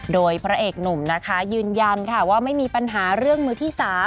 โดยพระเอกหนุ่มนะคะยืนยันค่ะว่าไม่มีปัญหาเรื่องมือที่๓